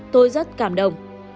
tôi rất cảm động